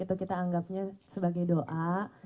itu kita anggapnya sebagai doa